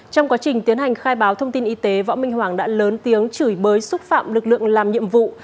trong quá trình tiến hành khai báo thông tin y tế võ minh hoàng đã lớn tiếng chửi bới xúc phạm lực lượng làm nhiệm vụ